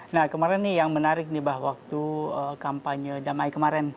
nah kemarin yang menarik di bawah waktu kampanye damai kemarang